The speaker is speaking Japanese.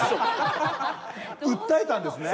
訴えたんですね？